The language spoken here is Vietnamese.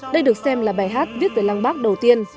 đây được xem là bài hát viết về lăng bác đầu tiên